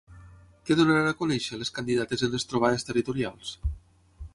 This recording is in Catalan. Què donaran a conèixer les candidates en les trobades territorials?